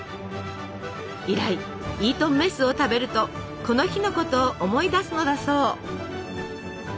以来イートンメスを食べるとこの日のことを思い出すのだそう。